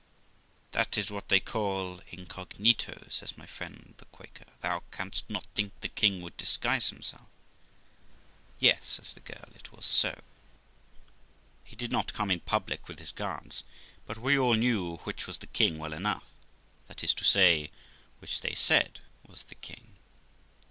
'That is what they call incog.' says my friend the Quaker; 'thou canst not think the king would disguise himself 'Yes', says the girl, 'it was so; he did not come in public with his guards, but we all knew which was the king well enough, that is to say, which they said was the king.'